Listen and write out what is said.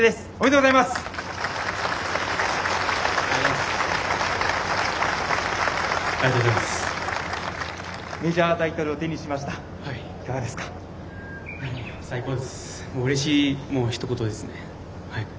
うれしいのひと言ですね。